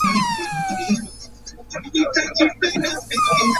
Sunroofs, by historical definition are opaque.